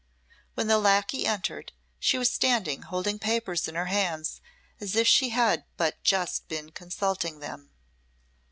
When the lacquey entered, she was standing holding papers in her hand as if she had but just been consulting them.